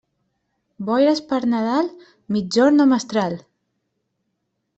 Boires per Nadal, migjorn o mestral.